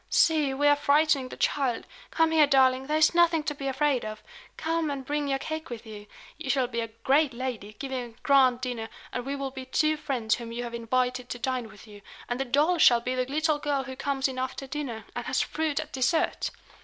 See, we are frightening the child! Come here, darling; there is nothing to be afraid of. Come, and bring your cake with you. You shall be a great lady, giving a grand dinner; and we will be two friends whom you have invited to dine with you; and the doll shall be the little girl who comes in after dinner, and has fruit at dessert!"